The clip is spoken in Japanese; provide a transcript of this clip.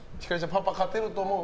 パパ勝てると思う？